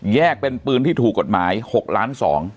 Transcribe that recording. เป็นปืนที่ถูกกฎหมาย๖ล้าน๒